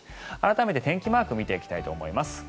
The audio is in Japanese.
改めて、天気マークを見ていきたいと思います。